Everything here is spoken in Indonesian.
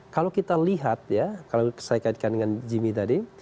kalau kita lihat ya kalau saya kaitkan dengan jimmy tadi